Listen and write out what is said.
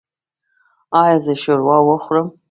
ایا زه شوروا وخورم؟